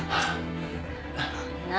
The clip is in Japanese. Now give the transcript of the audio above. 何？